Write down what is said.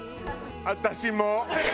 私も。